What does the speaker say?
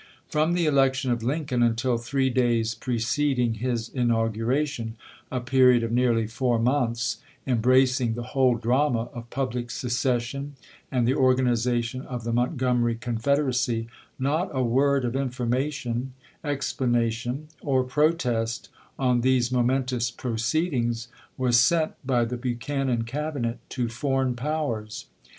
From the election of Lincoln until three days preceding his inauguration, a period of nearly four months, embracing the whole drama of pubhc se cession and the organization of the Montgomery Confederacy, not a word of information, explana tion, or protest on these momentous proceedings was sent by the Buchanan Cabinet to foreign pow ers.